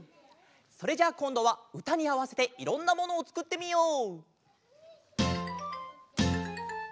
それじゃあこんどはうたにあわせていろんなものをつくってみよう！